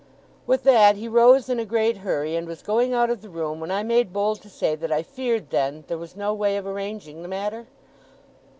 With that he rose in a great hurry, and was going out of the room, when I made bold to say that I feared, then, there was no way of arranging the matter?